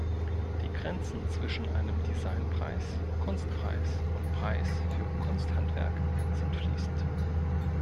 Die Grenzen zwischen einem Designpreis, Kunstpreis und Preis für Kunsthandwerk sind fließend.